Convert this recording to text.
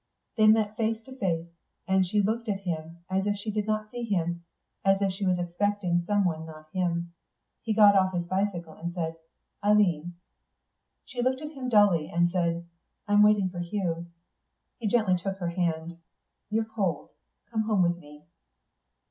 They met face to face; and she looked at him as if she did not see him, as if she was expecting someone not him. He got off his bicycle, and said "Eileen." She looked at him dully, and said, "I'm waiting for Hugh." He gently took her hand. "You're cold. Come home with me."